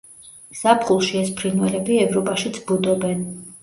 ზაფხულში ეს ფრინველები ევროპაშიც ბუდობენ.